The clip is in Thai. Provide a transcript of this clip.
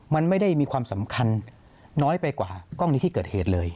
มันไม่ได้มีความสำคัญน้อยไปกว่ากล้องนี้ที่เกิดเหตุเลย